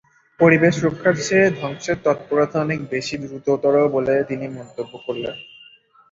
পরিবেশ রক্ষার চেয়ে ধ্বংসের তৎপরতা অনেক বেশি দ্রুততর বলে তিনি মন্তব্য করেন।